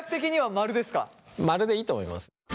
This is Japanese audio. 「〇」でいいと思います。